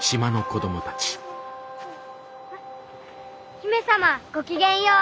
姫様ごきげんよう。